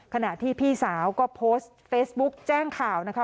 ขณะที่พี่สาวก็โพสต์เฟซบุ๊กแจ้งข่าวนะคะ